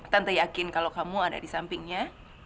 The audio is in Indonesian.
tante yakin kalau kamu ada di sampingnya